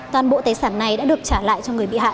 toàn bộ tài sản này đã được trả lại cho người bị hại